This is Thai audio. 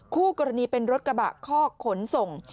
คู่กรณีเป็นรถกระบะคอกขนส่ง